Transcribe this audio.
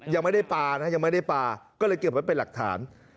ยังไม่ได้ปลานะยังไม่ได้ปลาก็เลยเก็บไว้เป็นหลักฐาน